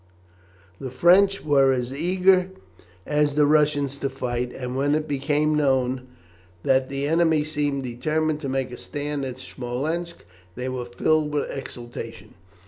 The French were as eager as the Russians to fight, and when it became known that the enemy seemed determined to make a stand at Smolensk they were filled with exultation.